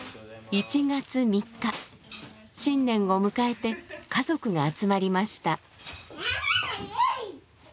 １月３日新年を迎えて家族が集まりました。